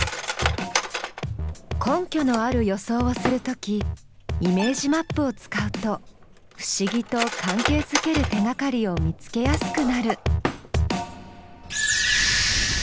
根拠のある予想をする時イメージマップを使うと不思議と関係づける手がかりを見つけやすくなる。